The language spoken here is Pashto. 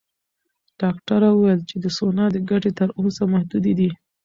ډاکټره وویل چې د سونا ګټې تر اوسه محدودې دي.